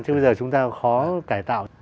chứ bây giờ chúng ta khó cải tạo